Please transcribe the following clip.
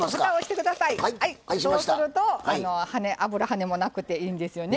そうすると、油、跳ねもなくていいんですよね。